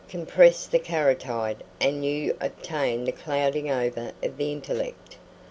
Compress the carotid, and you obtain the clouding over of the intellect.